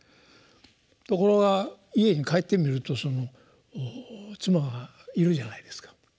ところが家に帰ってみるとその妻がいるじゃないですか。